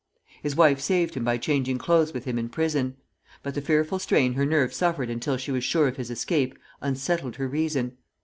His wife saved him by changing clothes with him in prison; but the fearful strain her nerves suffered until she was sure of his escape, unsettled her reason.